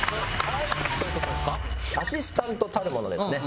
アシスタントたるものですね